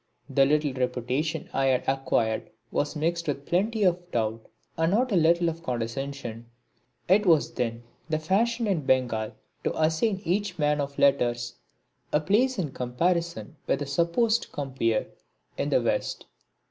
The little reputation I had acquired was mixed with plenty of doubt and not a little of condescension. It was then the fashion in Bengal to assign each man of letters a place in comparison with a supposed compeer in the West.